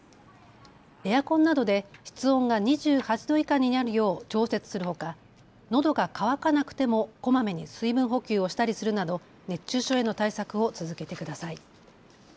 エアコンなどで室温が２８度以下になるよう調節するほかのどが渇かなくてもこまめに水分補給をしたりするなど熱中症への対策を続けてください。